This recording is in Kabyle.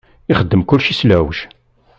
Ixeddem kulci s lɛuj.